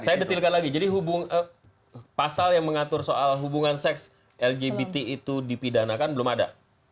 saya detilkan lagi jadi pasal yang mengatur soal hubungan seks lgbt itu dipidanakan belum ada